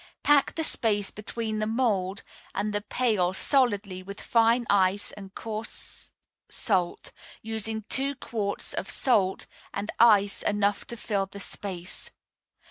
Pack the space between the mould and the pail solidly with fine ice and coarse salt, using two quarts of salt and ice enough to fill the space.